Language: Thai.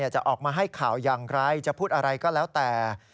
จะออกมาให้ข่าวอย่างไรจะพูดอะไรก็แล้วแต่